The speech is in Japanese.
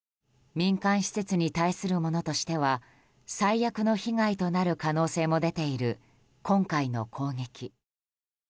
民間施設に対するものとしては最悪の被害となる可能性も出ている今回の攻撃。